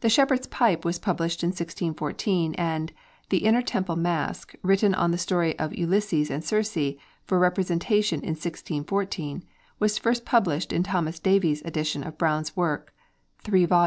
The 'Shepherd's Pipe' was published in 1614, and 'The Inner Temple Masque,' written on the story of Ulysses and Circe, for representation in 1614, was first published in Thomas Davies's edition of Browne's works (3 vols.